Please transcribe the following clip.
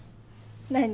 何？